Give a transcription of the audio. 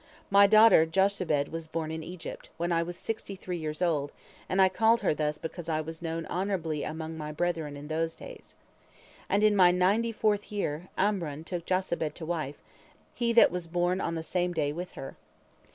My daughter Jochebed was born in Egypt, when I was sixty three years old, and I called her thus because I was known honorably among my brethren in those days. And in my ninety fourth year, Amram took Jochebed to wife, he that was born on the same day with her."